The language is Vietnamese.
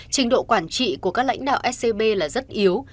trình độ quản trị của các lãnh đạo scb là rất yếu